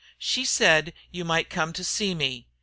She said you might come to see me.